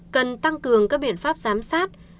cần tăng cường các biện pháp giám sát